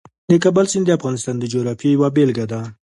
د کابل سیند د افغانستان د جغرافیې یوه بېلګه ده.